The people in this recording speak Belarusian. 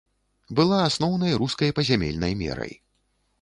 Была асноўнай рускай пазямельнай мерай.